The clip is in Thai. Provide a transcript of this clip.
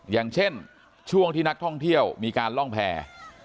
อย่างเช่นช่วงที่นักท่องเที่ยวมีการล่องแพร่